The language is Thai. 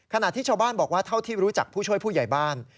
ขณะที่ชาวบ้านบอกว่าเท่าที่รู้จักผู้ช่วยผู้ใหญ่บ้าน